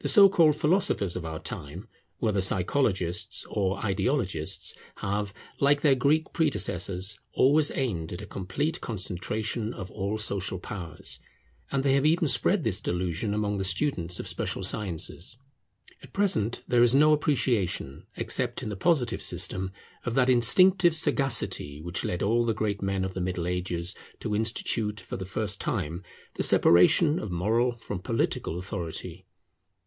The so called philosophers of our time, whether psychologists or ideologists, have, like their Greek predecessors, always aimed at a complete concentration of all social powers; and they have even spread this delusion among the students of special sciences. At present there is no appreciation, except in the Positive system, of that instinctive sagacity which led all the great men of the Middle Ages to institute, for the first time, the separation of moral from political authority.